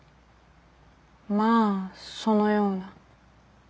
まあそのような。